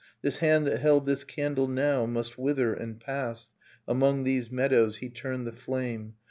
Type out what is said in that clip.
This hand that held this candle now, Must wither, and pass, among these meadows He turned the flame.